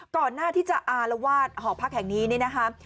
ก่อนหน้าที่จะอารวาสหอพักแห่งนี้นี่นะคะ